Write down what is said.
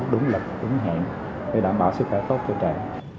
đúng lịch đúng hẹn để đảm bảo sức khỏe tốt cho trẻ